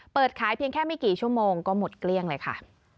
เปิดขายเพียงแค่ไม่กี่ชั่วโมงก็หมดเกลี้ยงเลยค่ะ